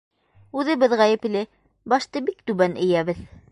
Үҙебеҙ ғәйепле, башты бик түбән эйәбеҙ.